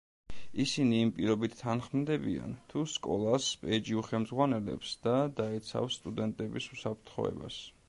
ისინი იმ პირობით თანხმდებიან თუ სკოლას პეიჯი უხელმძღვანელებს და დაიცავს სტუდენტების უსაფრთხოებას.